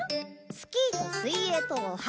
スキーと水泳とお花見！